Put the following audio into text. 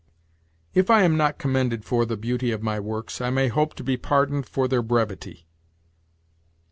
"If I am not commended for the beauty of my works, I may hope to be pardoned for their brevity."